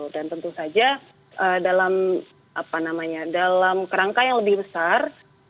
dan tentu saja dalam apa namanya dalam kerangka yang lebih besar